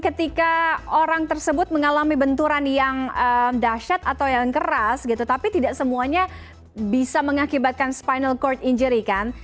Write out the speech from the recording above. ketika orang tersebut mengalami benturan yang dahsyat atau yang keras gitu tapi tidak semuanya bisa mengakibatkan spinal cord injury kan